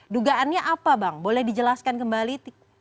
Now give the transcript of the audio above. dugaannya apa bang boleh dijelaskan kembali